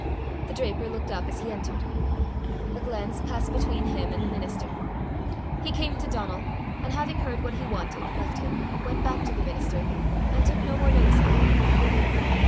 The draper looked up as he entered. A glance passed between him and the minister. He came to Donal, and having heard what he wanted, left him, went back to the minister, and took no more notice of him.